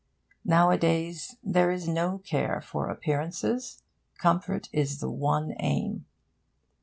Nowadays there is no care for appearances. Comfort is the one aim.